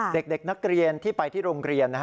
เด็กนักเรียนที่ไปที่โรงเรียน